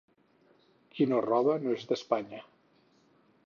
Qui no roba no és d'Espanya.